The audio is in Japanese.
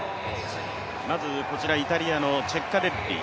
まずイタリアのチェッカレッリ。